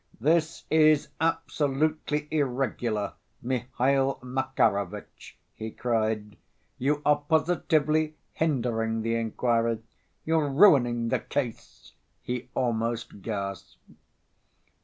"This is absolutely irregular, Mihail Makarovitch!" he cried. "You are positively hindering the inquiry.... You're ruining the case...." he almost gasped.